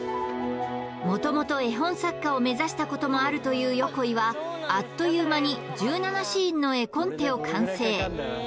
もともと絵本作家を目指したこともあるという横井はあっという間に１７シーンの絵コンテを完成